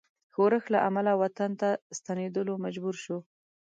ښورښ له امله وطن ته ستنېدلو مجبور شو.